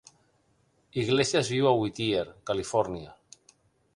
Iglesias viu a Whittier, Califòrnia.